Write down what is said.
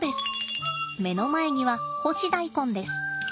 目の前には干し大根です。